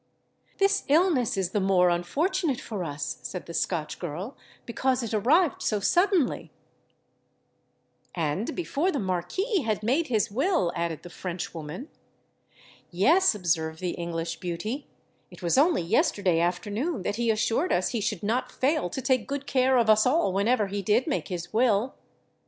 "This illness is the more unfortunate for us," said the Scotch girl, "because it arrived so suddenly." "And before the Marquis had made his will," added the French woman. "Yes," observed the English beauty,—"it was only yesterday afternoon that he assured us he should not fail to take good care of us all whenever he did make his will."